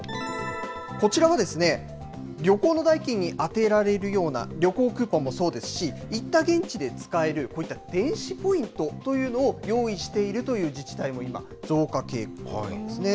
こちらは旅行の代金に充てられるような旅行クーポンもそうですし、行った現地で使えるこういった電子ポイントというのを用意しているという自治体も今、増加傾向なんですね。